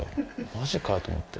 「マジかよ」と思って。